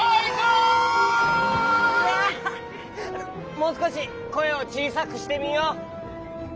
もうすこしこえをちいさくしてみよう。